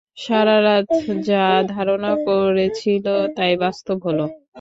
সারারাত যা ধারণা করেছিল তাই বাস্তব হল।